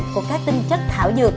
của các tinh chất thảo dược